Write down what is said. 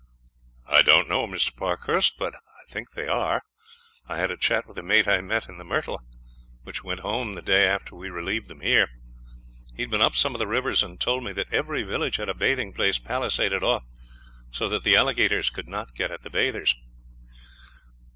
"I don't know, Mr. Parkhurst, but I think they are. I had a chat with a mate I met in the Myrtle, which went home the day after we relieved them here. He had been up some of the rivers, and told me that every village had a bathing place palisaded off so that the alligators could not get at the bathers."